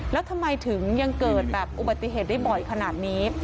แล้วทำไมถึงยังเกิดแบบอุบัติเหตุได้บ่อยขนาดนี้